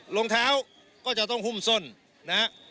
ลงเท้าก็จะต้องคุมส้นนะ